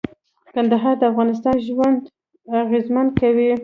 کندهار د افغانانو ژوند اغېزمن کوي.